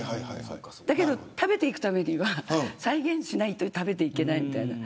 だけど食べていくためには再現しないと食べていけない。